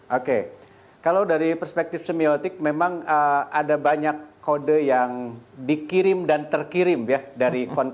oke kalau dari perspektif semiotik memang ada banyak kode yang dikirim dan terkirim ya